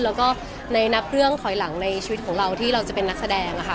แล้วก็ในนับเรื่องถอยหลังในชีวิตของเราที่เราจะเป็นนักแสดงค่ะ